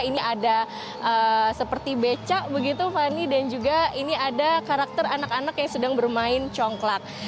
ini ada seperti becak begitu fani dan juga ini ada karakter anak anak yang sedang bermain congklak